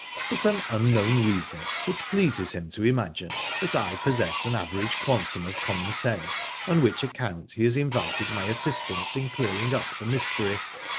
For some unknown reason, it pleases him to imagine that I possess an average quantum of common sense, on which account he has invited my assistance in clearing up the mystery.